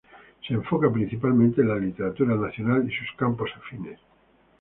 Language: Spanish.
Se enfoca principalmente en la literatura nacional y sus campos afines.